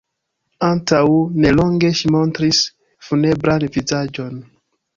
Antaŭ ne longe ŝi montris funebran vizaĝon.